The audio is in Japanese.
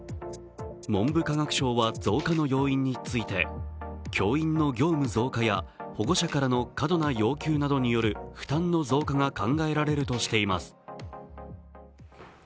文部科学省は増加の要因について教員の業務増加や保護者からの過度な要求などによる負担の増加が考えられるとしています。